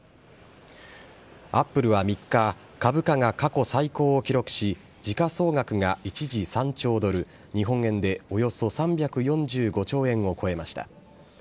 アップルは３日、株価が過去最高を記録し、時価総額が一時３兆ドル、日本円でおよそ３４５兆円を超えました。